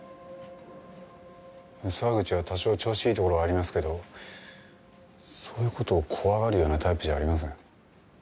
沢口は多少調子いいところはありますけどそういう事を怖がるようなタイプじゃありません。